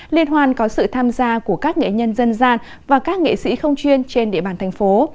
liên hoan có sự tham gia của các nghệ nhân dân gian và các nghệ sĩ không chuyên trên địa bàn thành phố